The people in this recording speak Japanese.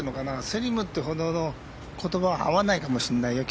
スリムってほどの言葉は合わないかもしれないよ